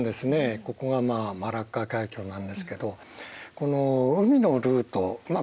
ここがまあマラッカ海峡なんですけどこの海のルートまあ